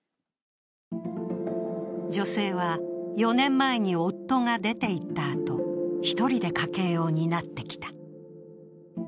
女性は、４年前に夫が出ていったあと１人で家計を担ってきた。